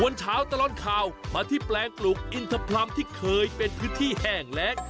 เช้าตลอดข่าวมาที่แปลงปลูกอินทพรรมที่เคยเป็นพื้นที่แห้งแรง